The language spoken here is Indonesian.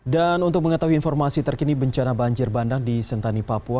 untuk mengetahui informasi terkini bencana banjir bandang di sentani papua